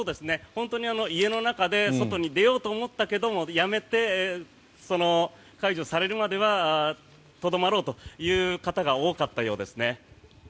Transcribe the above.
本当に家の中で外に出ようと思ったけどもやめて、解除されるまではとどまろうという方が多かったようですね。